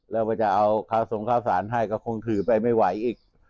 แล้วก็จะเอาข้าวทรงข้าวสารให้ก็คงถือไปไม่ไหวอีก